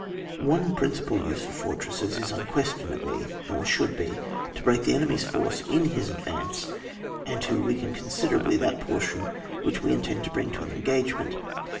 One principal use of fortresses is un questionably, or should be, to break the enemy's force in his advance and to weaken considerably that portion which we intend to bring to an engagement.